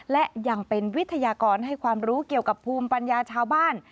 และยังเป็นวิทยากรให้ความรู้เกี่ยวกับภูมิปัญญาชาวบ้าน